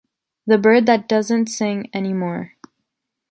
The bird that doesn’t sing anymore.